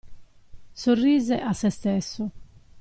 Sorrise a se stesso.